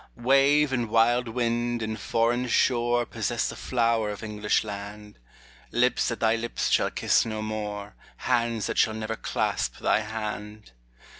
Wave and wild wind and foreign shore Possess the flower of English land — Lips that thy lips shall kiss no more, Hands that shall never clasp thy hand.